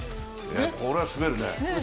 これは滑るね。